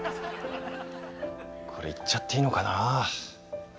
これ言っちゃっていいのかな？